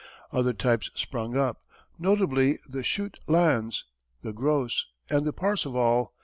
Other types sprung up, notably the Schutte Lanz, the Gross, and the Parseval.